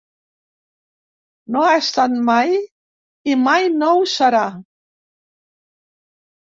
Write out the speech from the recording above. No ho ha estat mai i mai no ho serà.